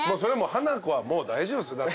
ハナコはもう大丈夫です。